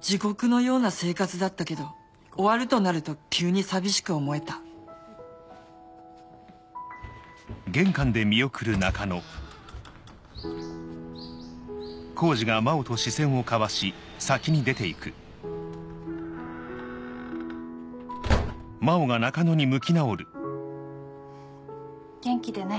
地獄のような生活だったけど終わるとなると急に寂しく思えた元気でね